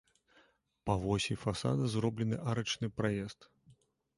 Па восі фасада зроблены арачны праезд.